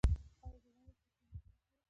آیا ایران یو څو قومي هیواد نه دی؟